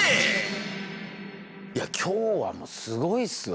いや今日はもうすごいっすわ